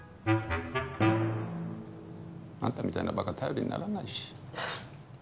あんたみたいなバカ頼りにならないし。